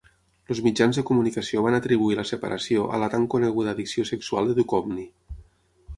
Els mitjans de comunicació van atribuir la separació a la tan coneguda addicció sexual de Duchovny.